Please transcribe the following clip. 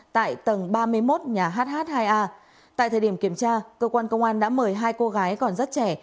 tại tầng ba mươi một nhà hh hai a tại thời điểm kiểm tra cơ quan công an đã mời hai cô gái còn rất trẻ